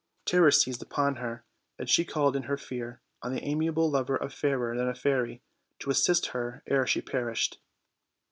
Terror seized upon her, and she called in her fear on the amiable lover of Fairer than a Fairy to assist her ere she perished.